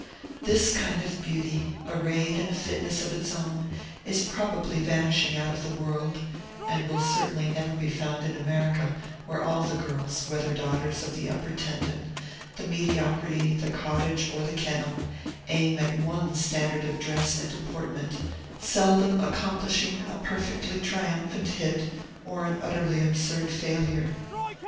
This kind of beauty, arrayed in a fitness of its own, is probably vanishing out of the world, and will certainly never be found in America, where all the girls, whether daughters of the upper tendon, the mediocrity, the cottage, or the kennel, aim at one standard of dress and deportment, seldom accomplishing a perfectly triumphant hit or an utterly absurd failure.